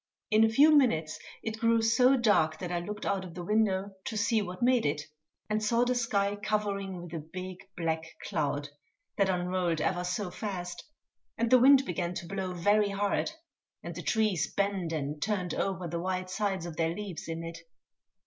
In a few minutes it grew so dark that I looked out of the window to see what made it, and saw the sky covering with a big black cloud that unrolled ever so fast, and the wind began to blow very hard, and the trees bent and turned over the white sides of their leaves in it.